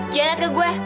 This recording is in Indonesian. jangan liat ke gue